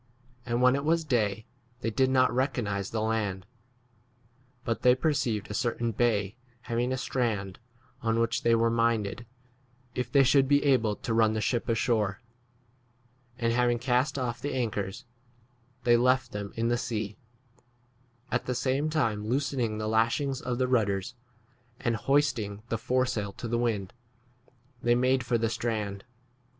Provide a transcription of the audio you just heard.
39 And when it was day they did not recognize the land ; but they perceived a certain bay having a strand, on which they were minded, if they should be able, to run the 40 ship ashore ; and, having cast off the anchors, they left [them] in the sea, at the same time loosening the lashings of the rudders, and hoist ing the foresail to the wind, they 41 made for the strand.